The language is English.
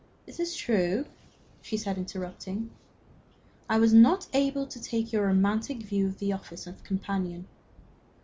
"It is true," she said, interrupting, "I was not able to take your romantic view of the office of companion."